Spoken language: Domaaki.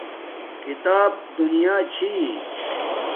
کتاب دنیا چھی